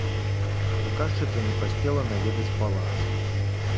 Заказчыца не паспела наведаць палац.